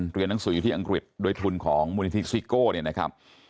เรียนหนังสืออยู่ที่อังกฤษด้วยทุนของมูลนิธิซิโก้เนี่ยนะครับ